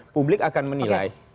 publik akan menilai